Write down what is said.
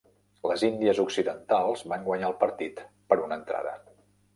Les Índies Occidentals van guanyar el partit per una entrada.